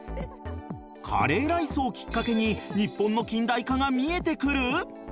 カレーライスをきっかけに日本の近代化が見えてくる？